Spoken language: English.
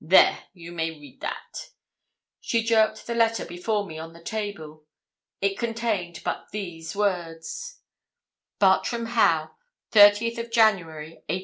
There, you may read that.' She jerked the letter before me on the table. It contained but these words: Bartram Haugh: '30th January, 1845.